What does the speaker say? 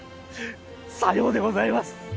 さようでございます！